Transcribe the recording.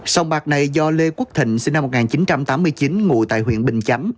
sông bạc này do lê quốc thịnh sinh năm một nghìn chín trăm tám mươi chín ngụ tại huyện bình chánh